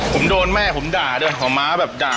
ผมโดนแม่ผมด่าด้วยของม้าแบบด่า